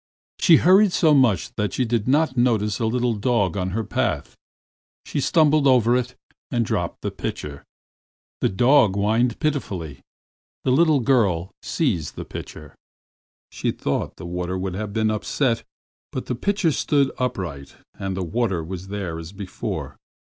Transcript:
She hurried so much that she did not notice a little dog in her path ; she stumbled over it and dropped the pitcher. The dog whined pitifully ; the little girl seized the pitcher. She thought the water would have been upset, but the pitcher stood upright and the water was there as before.